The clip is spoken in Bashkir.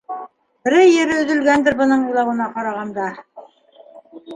Берәй ере өҙөлгәндер бының илауына ҡарағанда...